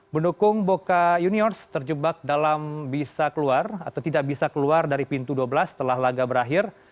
pendukung boca juniors terjebak dalam bisa keluar atau tidak bisa keluar dari pintu dua belas setelah laga berakhir